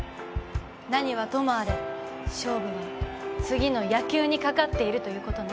何はともあれ勝負は次の野球に懸かっているということね。